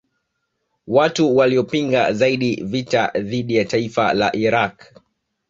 Watu waliopinga zaidi vita dhidi ya taifa la Iraq